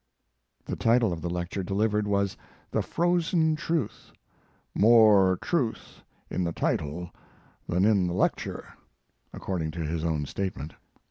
The title of the lecture delivered was "The Frozen Truth" "more truth in the title than in the lecture," according to his own statement.